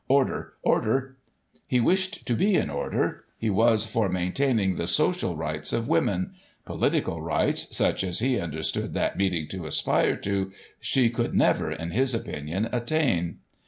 (Order! Order !) He wished to be in order. He was for maintaining the social rights of women ; political rights, such as he under stood that meeting to aspire to, she could never, in his opinion, attain.